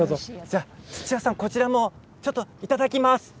土屋さん、こちらもいただきます。